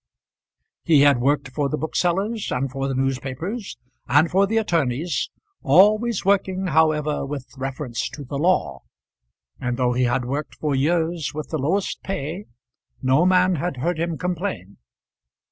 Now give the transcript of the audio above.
He had worked for the booksellers, and for the newspapers, and for the attorneys, always working, however, with reference to the law; and though he had worked for years with the lowest pay, no man had heard him complain.